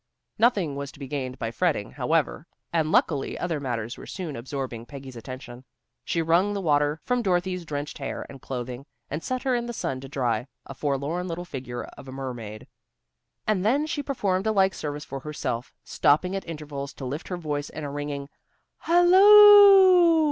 Nothing was to be gained by fretting, however, and luckily other matters were soon absorbing Peggy's attention. She wrung the water from Dorothy's drenched hair and clothing, and set her in the sun to dry, a forlorn little figure of a mermaid. And then she performed a like service for herself, stopping at intervals to lift her voice in a ringing "Hal loo!"